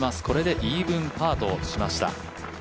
これでイーブンパーとしました。